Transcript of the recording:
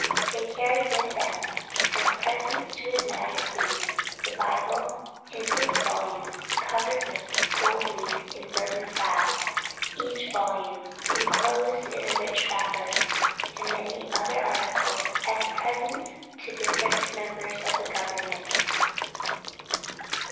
They carried with them, as presents to his majesty, the Bible, in six volumes, covered with gold leaf in the Burman style, each volume enclosed in a rich wrapper; and many other articles as presents to the different members of the government.